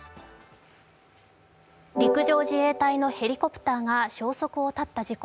陸上自衛隊のヘリコプターが消息を絶った事故。